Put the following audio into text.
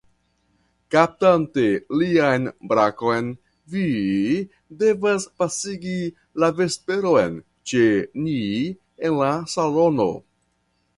Kaptante lian brakon, vi devas pasigi la vesperon ĉe ni en la salono.